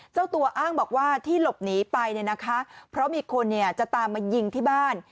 เจ้าตัวอ้างบอกว่าที่หลบหนีไปเนี่ยนะคะเพราะมีคนเนี่ยจะตามมายิงที่บ้าน